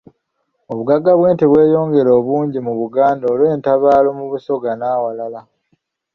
Obugagga bw'ente bweyongera obungi mu Buganda olw'entabaalo mu Busoga n'awalala.